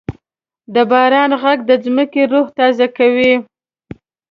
د باران ږغ د ځمکې روح تازه کوي.